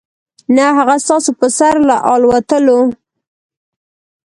نه هغه ستاسو په سر له الوتلو .